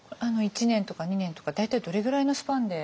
１年とか２年とか大体どれぐらいのスパンで？